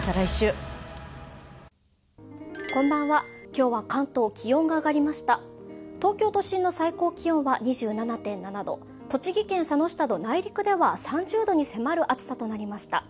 今日は関東、気温が上がりました東京都心の最高気温は２７．７度、栃木県佐野市など内陸では３０度に迫る暑さとなりました。